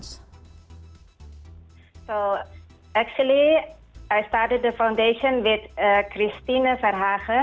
sebenarnya saya memulai foundation dengan christine verhagen